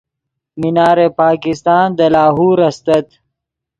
مینار پاکستان دے لاہور استت